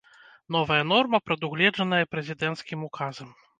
Новая норма прадугледжаная прэзідэнцкім указам.